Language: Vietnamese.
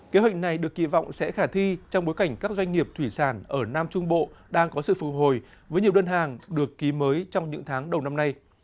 kế hoạch này được kỳ vọng sẽ khả thi trong bối cảnh các doanh nghiệp thủy sản ở nam trung bộ đang có sự phù hồi với nhiều đơn hàng được ký mới trong những tháng đầu năm nay